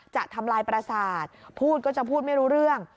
ทำลายประสาทพูดก็จะพูดไม่รู้เรื่อง